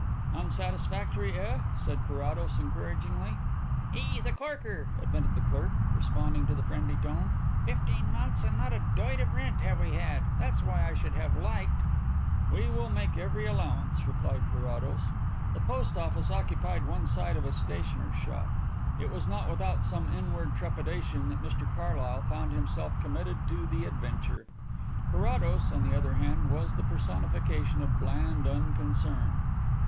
"Unsatisfactory, eh?" said Carrados encouragingly. "He's a corker," admitted the clerk, responding to the friendly tone. "Fifteen months and not a doit of rent have we had. That's why I should have liked " "We will make every allowance," replied Carrados. The post office occupied one side of a stationer's shop. It was not without some inward trepidation that Mr Carlyle found himself committed to the adventure. Carrados, on the other hand, was the personification of bland unconcern.